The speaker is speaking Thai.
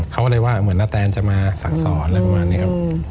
เขาก็เลยว่าเหมือนนาแตนจะมาสั่งสอนอะไรประมาณนี้ครับ